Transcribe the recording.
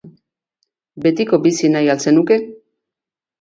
Betiko bizi nahi al zenuke?